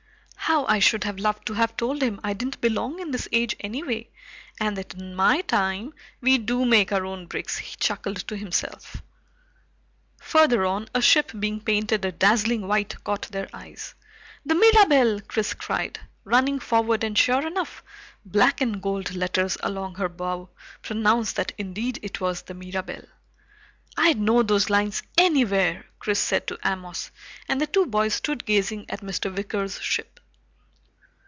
How I should have loved to have told him I didn't belong in this age anyway, and that in my time, we do make our own bricks! he chuckled to himself. Further on, a ship being painted a dazzling white caught their eyes. "The Mirabelle!" Chris cried, running forward, and sure enough, black and gold letters along her bow pronounced that indeed it was the Mirabelle. "I'd know those lines anywhere!" Chris said to Amos, and the two boys stood gazing at Mr. Wicker's ship.